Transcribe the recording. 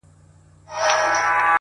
کلونه کيږي چي ولاړه يې روانه نه يې!!